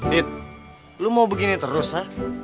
dit lo mau begini terus ya